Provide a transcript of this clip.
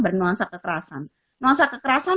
bernuansa kekerasan nuansa kekerasan